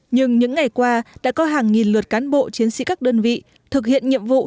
nhưng những ngày qua đã có hàng nghìn lượt cán bộ chiến sĩ các đơn vị thực hiện nhiệm vụ